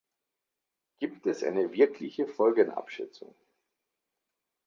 Gibt es eine wirkliche Folgenabschätzung?